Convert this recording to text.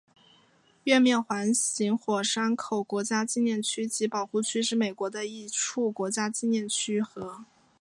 月面环形火山口国家纪念区及保护区是美国的一处国家纪念区和。